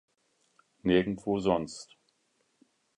Nirgendwo sonst!